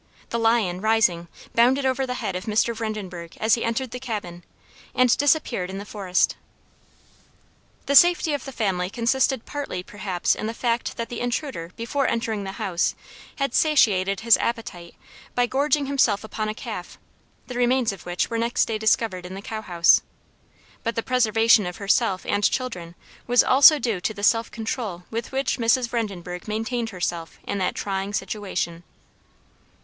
The lion, rising, bounded over the head of Mr. Vredenbergh as he entered the cabin, and disappeared in the forest. The safety of the family consisted partly perhaps in the fact that the intruder before entering the house had satiated his appetite by gorging himself upon a calf, the remains of which were next day discovered in the cow house; but the preservation of herself and children was also due to the self control with which Mrs. Vredenbergh maintained herself in that trying situation.